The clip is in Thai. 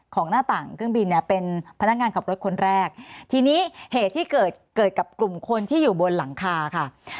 หน้าต่างเครื่องบินเนี่ยเป็นพนักงานขับรถคนแรกทีนี้เหตุที่เกิดเกิดกับกลุ่มคนที่อยู่บนหลังคาค่ะ